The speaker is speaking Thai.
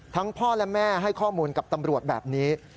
พ่อและแม่ให้ข้อมูลกับตำรวจแบบนี้